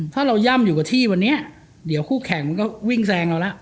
ถ้าเราย่ำอยู่กับที่วันนี้เดี๋ยวคู่แข่งมันก็วิ่งแซงเราแล้ว